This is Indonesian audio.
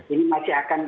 ini masih akan